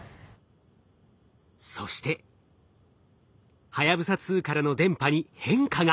そしてはやぶさ２からの電波に変化が。